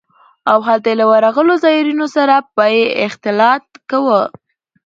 او هلته له ورغلو زايرينو سره به يې اختلاط کاوه.